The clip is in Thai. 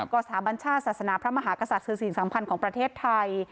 ก็สถาบัญชาติศาสนาพระมหากษัตริย์สินสัมพันธ์ของประเทศไทย